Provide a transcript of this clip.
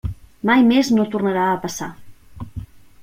Mai més no tornarà a passar.